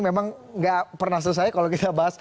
memang nggak pernah selesai kalau kita bahas